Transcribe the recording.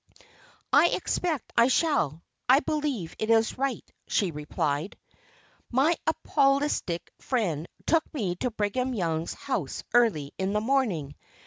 "I expect I shall. I believe it is right," she replied. My apostolic friend took me to Brigham Young's house early in the morning.